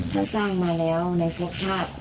ท่านสร้างมาแล้วในพวกชาติ